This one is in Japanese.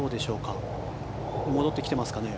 戻ってきていますかね。